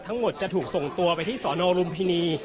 ทั้งหมดจะถูกส่งตัวไปที่สอนอลุมพินี